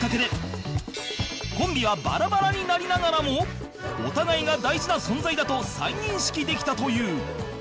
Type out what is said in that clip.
コンビはバラバラになりながらもお互いが大事な存在だと再認識できたという